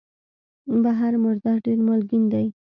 بحر مردار ډېر مالګین دی.